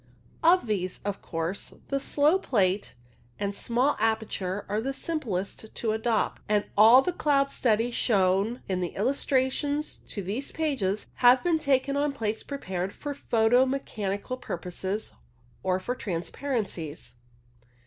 Of these, of course the slow plate and small aperture are the simplest to adopt, and all the cloud 168 CLOUD PHOTOGRAPHY studies shown in the illustrations to these pages have been taken on plates prepared for photo mechani cal purposes or for transparencies.